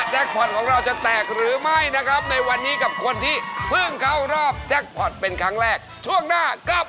จะต้องเลือกแผ่นป้ายที่มีรูปเครื่องหมายเป่ายิงฉุบ